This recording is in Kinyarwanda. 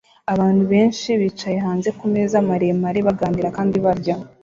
Abantu benshi bicaye hanze kumeza maremare baganira kandi barya